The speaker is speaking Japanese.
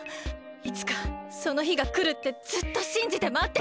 いつかそのひがくるってずっとしんじてまってた！